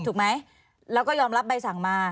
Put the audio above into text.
ถูกไหมแล้วก็ยอมรับใบสั่งมา